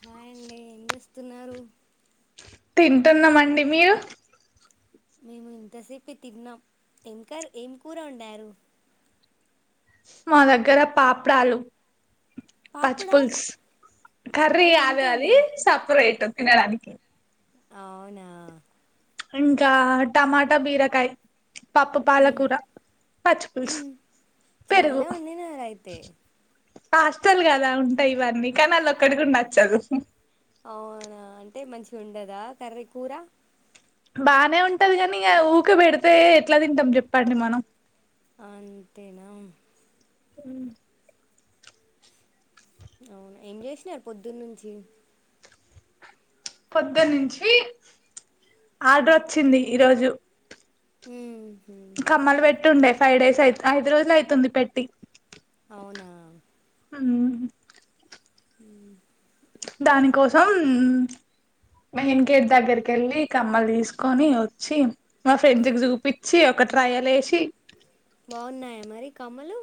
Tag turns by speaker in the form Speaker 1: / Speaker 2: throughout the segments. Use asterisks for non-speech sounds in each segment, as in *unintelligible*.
Speaker 1: హాయండి ఏం చేస్తున్నారు
Speaker 2: తింటున్నామండి మీరు
Speaker 1: మేము ఇంతసేపు తిన్నాం ఏం క ఏం కూర ఉండారు
Speaker 2: మా దగ్గర పాపడాలు
Speaker 1: పాపడా
Speaker 2: పచ్చిపుుల్స్ కర్రీ
Speaker 1: అయ్యో
Speaker 2: అది
Speaker 1: అంతేనా
Speaker 2: అది సపరేట్ విన్న రాదిిక
Speaker 1: అవునా
Speaker 2: ఇంకా టమాటా బీరకాయ పాప్పు
Speaker 1: ఉమ్
Speaker 2: పాలకూర పచ్చిపుల్సు
Speaker 1: ఉహు చాలా వండినార అయితే
Speaker 2: హాస్టల్ కదా ఉంటాయి ఇవన్నీ కానీ అళ్ళ ఒక్కడికి ఉండొచ్చదు
Speaker 1: అవునా అంటే మంచిగా ఉండదా కర్ర కూర
Speaker 2: బానే ఉంటది కాని ఇక ఊకబడితే ఎట్లా తింటాం చెప్పండి మనం
Speaker 1: అంతేనా
Speaker 2: అ
Speaker 1: అవునా ఏం చేసినారు పొద్దున్న నుంచి
Speaker 2: పొద్దుదు నుంచి ఆర్డర్ వచ్చింది ఈరోజు
Speaker 1: హ
Speaker 2: కమ్మలు పెట్టుండే ఫైవ్ డేస్ అయి ఐదు రోజులు అవుతుంది పెట్టి
Speaker 1: అవునా
Speaker 2: ఆ
Speaker 1: హ
Speaker 2: దాని కోసం మెహన్ గేట్ దగ్గరికి వెళ్ళి కమ్మలు తీసుకొని వచ్చి మా ఫ్రెండ్స్కి చూపచ్చి ఒక ట్రయల్ ఏషి
Speaker 1: బాగున్నాయా? మరి కమ్మలు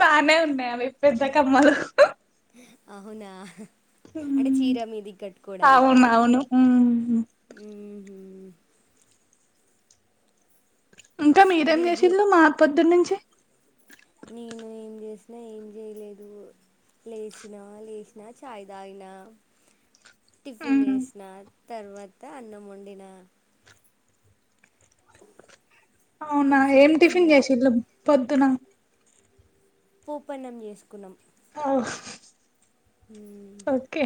Speaker 2: బాగనే ఉన్నాయి. అవి పెద్ద కమ్మలు
Speaker 1: అవునా అంటే చీర మీదికి కట్టుకోవడానికా?
Speaker 2: అవును అవును ఉమ్.
Speaker 1: ఉహుమ్
Speaker 2: ఇంకా మీరేం
Speaker 1: మరి బ్యూ
Speaker 2: చేసేళ్లు మా పొద్దుర్ నుంచి
Speaker 1: నేను ఏం చేసినా? ఏం చేయలేదు. లేచిన లేచిన చాయ్ తాగిన టిఫిన్ చేసిన తర్వాత అన్నం వండిన
Speaker 2: అవునా ఏం
Speaker 1: ఇంతసేపే
Speaker 2: టిఫిన్
Speaker 1: తిన్నా
Speaker 2: చేసిళ్ళు పొద్దున
Speaker 1: పోపన్నం చేసుకున్నాం.
Speaker 2: అహ్
Speaker 1: మ్మ్.
Speaker 2: ఓకే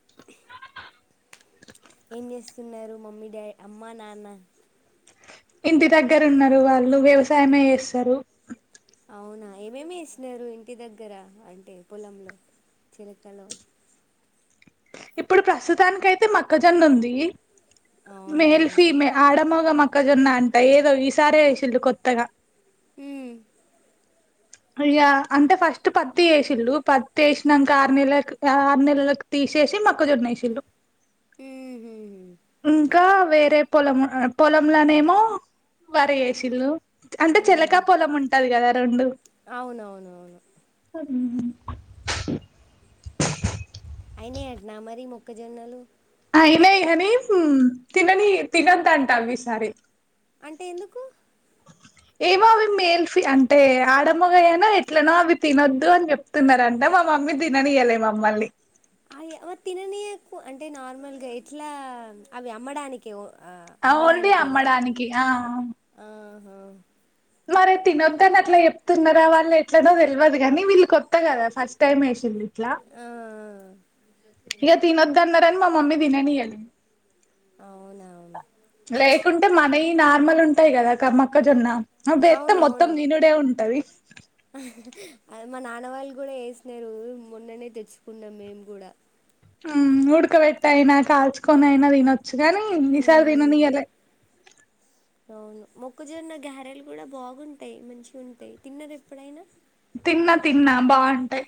Speaker 1: *unintelligible* ఏం చేస్తున్నారు? మమ్మీ డా అమ్మ నాన్న
Speaker 2: ఇంటి దగ్గర ఉన్నారు వాళ్ళు వ్యవసాయమే ఏస్తరు.
Speaker 1: అవునా ఏమేమి ఏసినారు ఇంటి దగ్గర అంటే పొలంలో చిలకలో
Speaker 2: ఇప్పుడు ప్రస్తుతానికి అయితే మక్కజొన్న ఉంది.
Speaker 1: అవునా
Speaker 2: మెల్ఫీ మే
Speaker 1: వచ్-
Speaker 2: ఆడ మగ మ ఒక్కజొన్న అంట ఏదో ఈసారే ఏసిల్లు కొత్తగా
Speaker 1: ఉమ్
Speaker 2: ఇగ అంటే ఫస్ట్ పత్తి ఏసిళ్ళు పత్తి ఏసినంక ఆరు నెలకి ఆరు నెలలకి తీస్ తీసి మొక్కజొన్న ఏసిల్లు
Speaker 1: ఉహుమ్
Speaker 2: ఇంకా వేరే పొలం పొలంలోనేమో వరీ ఏసిళ్ళు అంటే చేలకా
Speaker 1: మ్మ్హ్మ్.
Speaker 2: పొలం ఉంటది కదా రెండు
Speaker 1: అవునవునవును
Speaker 2: ఆ
Speaker 1: అయినాయాట్నా మరి మొక్కజొన్నలు
Speaker 2: అయిన కానీమ్ తినని తినంద్ అంటా అవి ఈసారి
Speaker 1: అంటే ఎందుకు?
Speaker 2: ఏమో అవి మేల్ ఫీ అంటే ఆడ మోగయనో ఎట్లనో అవి తినొద్దు అని చెప్తున్నారంట మా మామ్ మ్మిడతిననియలే మమ్మల్ని
Speaker 1: అయ్ తిననీకు అంటే నార్మల్గా ఎట్లా అవి అమ్మడానికి ఏమో
Speaker 2: అవ్ ఓన్లీ అమ్మడానికి ఆ
Speaker 1: ఆ
Speaker 2: మరి తినొద్దని అట్లా చెప్తున్నారా? వాళ్ళు ఎట్లనో తెలివదు కానీ వీళ్ కొత్త కదా ఫస్ట్ టైమ్ ఏసింది ఇట్లా
Speaker 1: ఆ
Speaker 2: ఇగా తినొద్ అన్నారని మా మమ్మీ దిననీయది.
Speaker 1: అవునా
Speaker 2: లేకుంటే మనయి నార్మల్ ఉంటాయి. కదా కమక్కజొన్న అవి దేత్త మొత్తం
Speaker 1: అవునవును
Speaker 2: తినుడే ఉంటది.
Speaker 1: మా నాన్న వాళ్ళు కూడా ఏసినరు మొన్ననే తెచ్చుకున్నాం. మేము కూడా
Speaker 2: ఉమ్ ఉడకబెట్టయినా కాల్చుకొని అయినా తినొ చ్చుగానీ ఈసారి తిన
Speaker 1: మ్మ్
Speaker 2: నియలే
Speaker 1: అవును మొక్కజొన్న గారేలు కూడా బాగుంటాయి మంచిగా ఉంటాయి తిన్నార ఎప్పుడైనా
Speaker 2: తిన్నా తిన్నా బాగుంటాయి.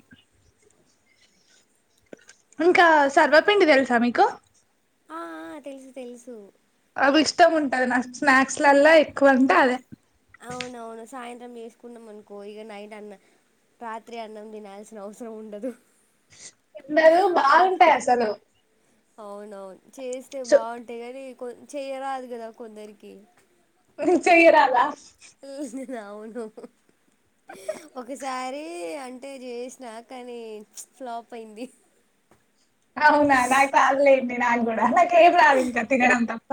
Speaker 2: ఇంకా సర్వపిండి తెలుసా మీకు?
Speaker 1: ఆ ఆ తెలుసు తెలుసు
Speaker 2: ఇష్టం ఉంటది. నాకు స్నాక్స్ లల్లా ఎక్కువ అంటే అదే
Speaker 1: అవునవును సాయం త్రం ఏసుకున్నాం అనుకో ఇగ నైట్ అన్నం రాత్రి అన్నం తినాల్సిన అవసరం ఉండదు.
Speaker 2: ఉండదు. బాగుంటాయి అసలు
Speaker 1: అవునవును చేస్తే బాగుంటాయి కాని కొ చేయరాదు కదా కొందరికి
Speaker 2: చెయ్య రాదా
Speaker 1: అవును ఒకసారి అంటే చేసినా కానీ ఫ్లాప్ అయింది
Speaker 2: అవునా నా తాలే అయింది నాకుడా నాకు ఏం రాదు ఇంకా తిగడం తప్ప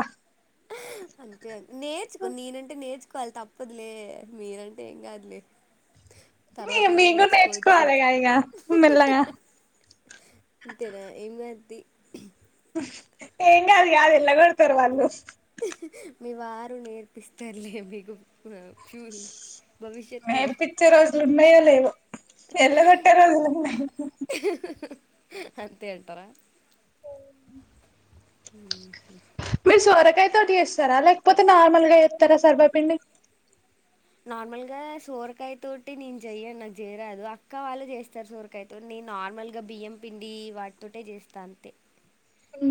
Speaker 1: ఆ అంతే నేర్చుకో నేనంటే నేర్చుకోవాలి తప్పదులే మీరంటే ఏం కాదులే
Speaker 2: మీ
Speaker 1: తర్వాత అయినా
Speaker 2: మీంగూడా
Speaker 1: నేర్చుకోవచ్చు
Speaker 2: నేర్చుకోవాలేగా ఇగా మెల్లగా
Speaker 1: అంతేనా ఏం కాద్ ది
Speaker 2: ఏంకాదు గాదు ఎల్లగొడ్తారు వాళ్ళు
Speaker 1: మీ వారు నేర్పిస్తారులే మీకు ఆ చూరు భవిష్యత్ లో
Speaker 2: నేర్పించే రోజులు ఉన్నాయో లేవో ఎల్లగొట్టే రోజులున్నాయి
Speaker 1: అంతే అంటారు హ
Speaker 2: సొరకాయ తోటి చేస్తారా లేకపోతే నార్మల్ గా ఎత్తర సర్బపిండి
Speaker 1: నార్మల్ గా సోరకాయ తోటి నేను చెయ్యను నాకు చేయరాదు అక్క వాళ్ళు చేస్తారు సోరకాయతోటి ఈ నార్మల్ గా బియ్యం పిండి వాడుతుంటే చేస్తా అంతే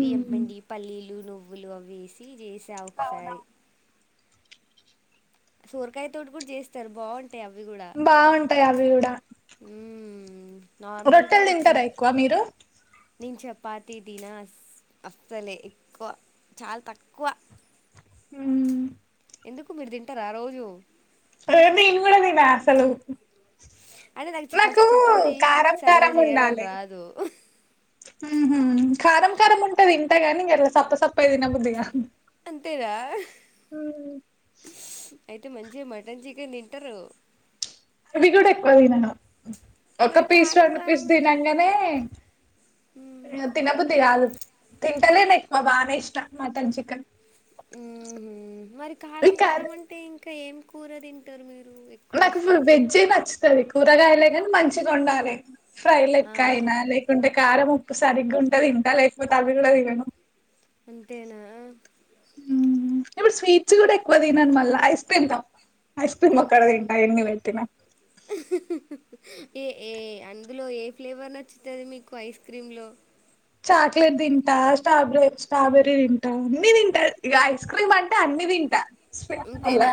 Speaker 1: బియ్యం పిండి పల్లీలు నువ్వులు అవేసి చేసా ఒకసారి
Speaker 2: అవునవును
Speaker 1: సోరకాయ తోటి కూడా చేస్తారు బాగుం
Speaker 2: బాగుంటాయి అవి కూడా
Speaker 1: మ్మ్. నార్మల్గా
Speaker 2: రొట్టెలు తింటారా ఎక్కువ మీరు
Speaker 1: చపాతి దిన అస్సలే ఎక్కువ చాలా తక్కువ
Speaker 2: ఉమ్
Speaker 1: ఎందుకు మీరు తింటారా రోజు
Speaker 2: హే నేన్గూడా తినా అసలు
Speaker 1: అంటే నాకు ఫస్ట్ చపాతి
Speaker 2: కారం
Speaker 1: సరిగా
Speaker 2: కారం
Speaker 1: చేయడం
Speaker 2: ఉండాలి
Speaker 1: రాదు
Speaker 2: ఉహు కారం కారం ఉంటే తింటా గానీ గిట్ల సప్ప సప్పగా తినబుద్దిగాదు
Speaker 1: అంతేగా అయి తే మంచిగా మటన్ చికెన్ తింటారు
Speaker 2: అవి కూడా ఎక్కువ తినను ఒక
Speaker 1: మరి
Speaker 2: పీస్
Speaker 1: కారం
Speaker 2: రెండు
Speaker 1: కారం
Speaker 2: పీస్ తినంగానే
Speaker 1: ఉహు
Speaker 2: తినబుద్దిగదు తింటలేను ఎక్కువ మానేసినా మటన్ చికెన్
Speaker 1: ఉహు మరి
Speaker 2: ఈ
Speaker 1: కారం కారం
Speaker 2: కర్రీ
Speaker 1: అంటే ఇంకా ఏం కూర తింటారు మీరు ఎక్కువ
Speaker 2: నాకు
Speaker 1: ఇష్టంగా
Speaker 2: వేజే నచ్చుతాది కూరగాయలే కానీ మంచిగా వొండాలే ఫ్రై లెక్క
Speaker 1: ఆహా
Speaker 2: అయినా లేకుంటే కారం ఉప్పు సరిగ్గా ఉంటే తింటా లేకపోతే అవి కూడా తినను
Speaker 1: అంతేనా
Speaker 2: హ్మ్. ఇప్పుడు స్వీట్స్ కూడా ఎక్కువ తినను మళ్ళా ఐస్ క్రీమ్ తప్ ఐస్ క్రీమ్ మ్మొక్కటిదింటా ఏన్ని పెట్టినా
Speaker 1: ఏ ఏ అందులో ఏ ఫ్లేవర్ నచ్చుతాది మీకు ఐస్ క్రీమ్ లో
Speaker 2: చాక్లెట్ తింటా స్ట్రాబ స్ట్రాబెర్రీ తింటా అన్ని తింటా ఇ ఐస్ క్రీమ్ అంటే అన్ని తింటా
Speaker 1: అంతేనా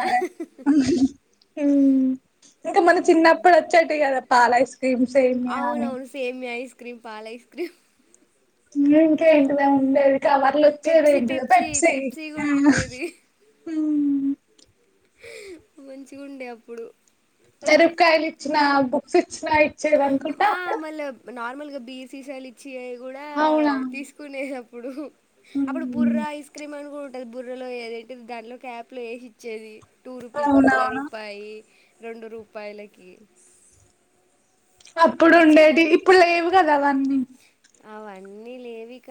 Speaker 2: ఉమ్ ఇంకా మన చిన్నప్పుడు వచ్చేటివి కదా పాల ఐస్ క్రీమ్స్ సేమియా అని
Speaker 1: అవునవును సేమియా ఐస్ క్రీమ్ పాల ఐస్ క్రీమ్
Speaker 2: ఇంకేంటివో ఉండేది కవర్లు వచ్చేది
Speaker 1: పెప్సీ
Speaker 2: ఏంటిద
Speaker 1: పెప్సీ
Speaker 2: పెట్సి
Speaker 1: పెప్సీ కూడా
Speaker 2: ఉమ్
Speaker 1: ఉండేది
Speaker 2: ఉమ్
Speaker 1: మంచిగా ఉండే అప్పుడు
Speaker 2: ఎరుపుకాయలు ఇచ్చినా బుక్స్ ఇచ్చినా ఇచ్చేవి అనుకుంటా అప్పుడు
Speaker 1: నార్మల్ గా బిర్ సీసలు ఇచ్చి కూడా
Speaker 2: అవునా
Speaker 1: తీసుకునేది. అప్పుడు అప్పుడు బుర్ర
Speaker 2: ఉమ్
Speaker 1: ఐస్ క్రీమ్ అని కూడా ఉంటది. బుర్రలో ఏదైటిది దానిలో క్యాప్ లో ఏసిచ్చేది. టూ రూపీ, ఒక్క
Speaker 2: అవునవును
Speaker 1: రూపాయి, రొండు రూపాయలకి. మీకు ఇచ్చేదా
Speaker 2: అప్పుడుండేటివి. ఇప్పుడు లేవు కదా అవన్నీ.
Speaker 1: అవన్నీ లేవిక.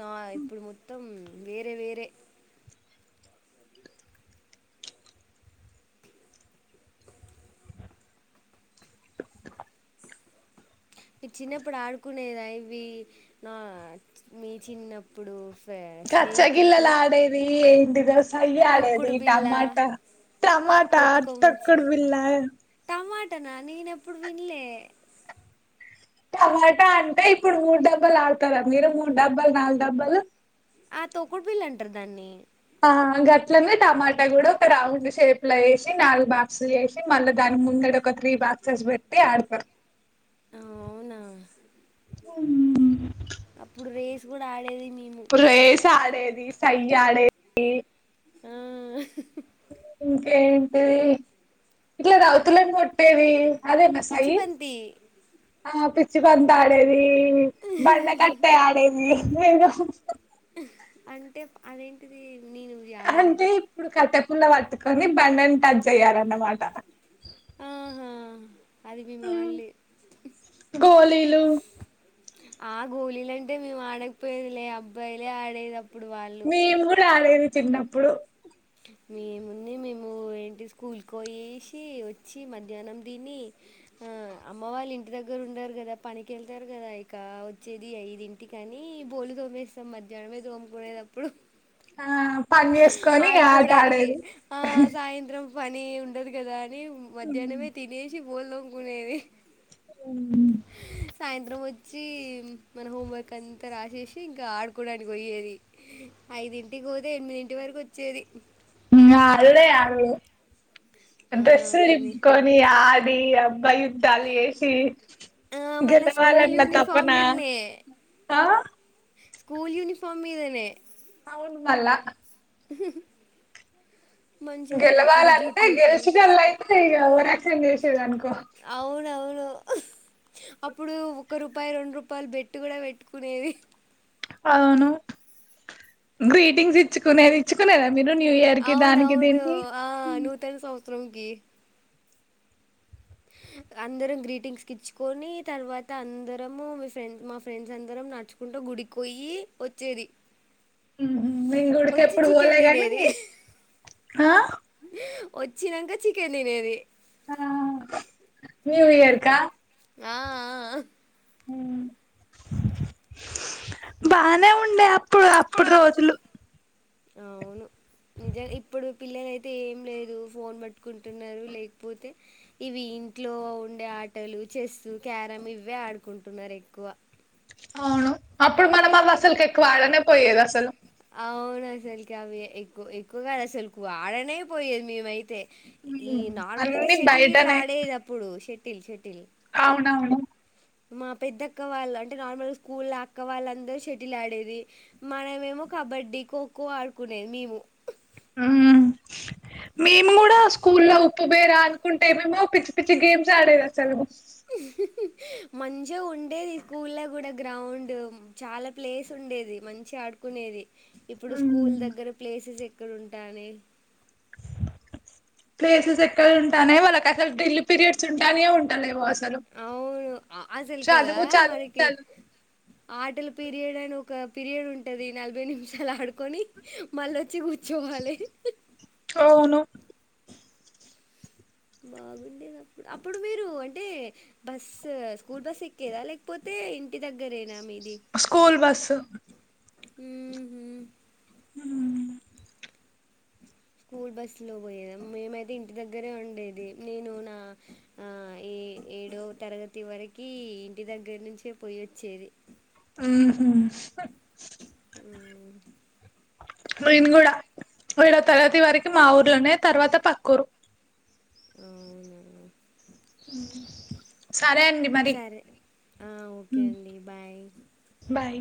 Speaker 1: నా ఇప్పుడు మొత్తం వేరే వేరే. ఇ చిన్నప్పుడు ఆడుకునేదా ఇవి, నా, మీ చిన్నప్పుడు. ఫె- స్నేహితులతో
Speaker 2: కచ్చగిల్లలు ఆడేది, ఏంటిదో సయ్య ఆడేది,
Speaker 1: తొక్కుడు బిళ్ళ
Speaker 2: టమాటా, టమాటా,
Speaker 1: కోతి కొమ్మచ్చి
Speaker 2: తొక్కుడు బిల్లా.
Speaker 1: టమాటనా నేన్ ఎప్పుడు విన్లే.
Speaker 2: టమాటా అంటే, ఇప్పుడు మూడు డబ్బాలు ఆడతారా మీరు? మూడు డబ్బాలు, నాలుగు డబ్బాలు.
Speaker 1: ఆ తొక్కుడు బిల్ల అంటారు దాన్ని.
Speaker 2: ఆ గట్లనే టమాటా కూడ. ఒక రౌండ్ షేప్ లో వేసి, నాలుగు బాక్స్లు చేసి, మళ్ళా దాని ముంద ఇడ ఒక త్రీ బాక్సస్ పెట్టి ఆడతారు.
Speaker 1: ఆ అవునా అప్పుడు రేస్ కూడ ఆడేది, మేము
Speaker 2: అప్పుడు రేస్ ఆడేది, సయ్య ఆడేది.
Speaker 1: ఆ
Speaker 2: ఇంకేంటిది, ఇట్ల అది ఔతులని కొట్టేది. అదేనా సయ్యి
Speaker 1: పిచ్చిబంతి.
Speaker 2: ఆ పిచ్చి బంతి ఆడేది, బండ కట్టే ఆడేది. ఏదో
Speaker 1: అంటే అదేంటిది నేను ఇది
Speaker 2: అంటే,
Speaker 1: ఆడలేదు
Speaker 2: ఇప్పుడు కట్టెపుల్ల పట్టుకొని, బండను టచ్ చెయ్యాలన్నమాట.
Speaker 1: ఆహా అది మేం ఆడలే
Speaker 2: గోళీలు
Speaker 1: ఆ గోలిలంటే మేము ఆడకపోయేది లే. అబ్బాయిలే ఆడేది అప్
Speaker 2: మేముకూర ఆడేది చిన్నప్పుడు.
Speaker 1: మేముండి మేము ఏంటి స్కూల్కి పోయేసి వచ్చి, మధ్యాహ్నం దిని, ఆ అమ్మ వాళ్ళ ఇంటి దగ్గర ఉండరు కదా, పనికెళ్తారు కదా ఇక, వచ్చేది ఐదింటికి అని, బోలు తోమేస్తాం మధ్యానమే. జోముకు పోయేటప్పుడు.
Speaker 2: ఆ పని చేసుకొని ఆట
Speaker 1: ఆడుకోడానికి.
Speaker 2: ఆడేది
Speaker 1: ఆ సాయంత్రం పని ఉండదు కదా అ ని మధ్యానమే తినేసి బోలు తోముకునేది. సాయంత్రం ఒ చ్చి మన హోం వర్క్ అంతా రాసేసి, ఇంకా ఆడుకోడానికి పోయేది. ఐదింటికి పో తె ఎనిమిదింటివరకు వచ్చేది
Speaker 2: ఇంగ హాలిడే అవి,
Speaker 1: ఆ,
Speaker 2: డ్రెస్సులు
Speaker 1: కానీ
Speaker 2: చింపుకొని ఆడి అవ్ దాలి చేసి,
Speaker 1: ఆ మళ్ళా స్కూల్
Speaker 2: గెలవాలన్న తపన
Speaker 1: యూనిఫామ్ మీదనే
Speaker 2: తా
Speaker 1: స్కూల్ యూనిఫోమ్ మీదనె
Speaker 2: అవును మల్ల
Speaker 1: మంచిగుండే అప్పుడు
Speaker 2: గెలవాలంటే,
Speaker 1: జుట్లకి
Speaker 2: గెలిచినోళ్ళు అయితే ఇగ, ఓవరాక్షన్ చేసేదనుకో
Speaker 1: అవునవు ను. అప్పుడు ఒక రూపాయి, రొండు రూపాయలు బెట్ కూడా పెట్టుకునేది.
Speaker 2: అవును. గ్రీటింగ్స్ ఇచ్చుకునేది, ఇచ్చుకునేద
Speaker 1: అవునవును. ఆ. నూతన సంవత్సరంకి. అందరం గ్రీటింగ్స్కి ఇచ్చుకొని తర్వాత, అందరము మీ ఫ్రెండ్స్, మా ఫ్రెండ్స్ అందరం నడుచుకుంట గు డికి పోయి వచ్చేది.
Speaker 2: మ్హు, మేం గుడికి
Speaker 1: వచ్చి
Speaker 2: ఎప్పుడు పోలే
Speaker 1: చికెన్
Speaker 2: కానీ,
Speaker 1: తినేది
Speaker 2: ఆ
Speaker 1: వచ్చినంక చికెన్ తినేది.
Speaker 2: ఆ న్యూ ఇయర్కా
Speaker 1: ఆ ఆ అహ్
Speaker 2: బానే ఉండే అప్పుడు అప్పుడు రోజులు
Speaker 1: అవును నిజ ఇప్పుడు పిల్లలు అయితే ఏం లేదు ఫోన్ పట్టుకుంటున్నారు లేకపోతే ఇవి ఇంట్లో ఉండే ఆటలు చెస్సు క్యారమ్ ఇవ్వే ఆడుకుంటున్నారు ఎక్కువ
Speaker 2: అవును అప్పుడు మనం అవ్ అసల్కి ఎక్కువ ఆడనే పోయేదా
Speaker 1: అవును అసల్కి అవి ఎక్కు ఎక్కువ్గా అసలు ఆడనే పోయేది మేమైతే ఈ నార్మల్ అయితే
Speaker 2: అన్ని
Speaker 1: షటిల్ ఇట్లా
Speaker 2: బయటనే
Speaker 1: ఆడేది అప్పుడు షెటిల్ షటిల్
Speaker 2: అవునవును
Speaker 1: మా పెద్దక్క వాళ్ళు అంటే నార్మల్గా స్కూల్ అక్క వాళ్ళందరూ షెటిల్ ఆడేది మనమేమో కబడ్డీ ఖోఖో ఆడుకునేది మేము
Speaker 2: ఊమ్ మేమ్ గూడా స్కూల్ లో ఉప్పు బేరా అనుకుంట ఏమేమో పిచ్చి పిచ్చి గేమ్స్ ఆడేది అసలు
Speaker 1: ఇహిహి మంచిగ ఉండేది స్కూల్ల గూడా గ్రౌండ్ చాలా ప్లేస్ ఉండేది మంచ్చ ఆడుకునేది ఇప్పుడు స్కూల్ దగ్గర ప్లేసెస్ ఎక్కడ ఉంటానే
Speaker 2: ప్లేసెస్ ఎక్కడ ఉంటానై వాళ్ళకి అసలు ఢ్రిల్లు పీరియడ్స్ ఉంటానయో ఉంటాలేవో అస్
Speaker 1: అవును అ అసల్ కదా
Speaker 2: చదువు
Speaker 1: మనకి
Speaker 2: చదువు
Speaker 1: ఆటల పిరియడ్ అను ఒక పీరియడ్ ఉంటది నలభై నిమిషాలు ఆడుకొని మళ్ళ ఒచ్చి గూచ్చోవాలే
Speaker 2: అవును
Speaker 1: బాగుండేది అప్పుడు అప్పుడు మీరు అంటే బస్స్ స్కూల్ బస్ ఎక్కేదా లేకపోతే ఇంటి దగ్గరేనా మీది
Speaker 2: స్కూల్ బస్సు
Speaker 1: ఊహు
Speaker 2: హూ
Speaker 1: స్కూల్ బస్లో వోయేది మేమైతే ఇంటి దగ్గరే ఉండేది నేను నా ఆ ఎ ఎ ఏడో తరగతి వరకీ ఇంటి దగ్గర్నుంచే పోయొచ్చేది
Speaker 2: ఊహు
Speaker 1: ఊ
Speaker 2: నేన్ గూడా ఏడో తరగతి వరకి మా ఊర్లోనే తర్వాత పక్కూరు
Speaker 1: అవునా
Speaker 2: *inaudible* అండి మరి
Speaker 1: సరే ఆ ఓకే అండి బాయ్
Speaker 2: బాయ్